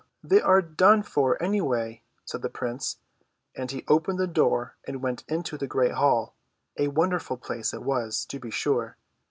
they are done for, any way," said the prince, and he opened the door and went into the great hall. A wonderful place it was, to be sure.